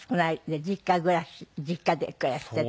で実家暮らし実家で暮らしてて。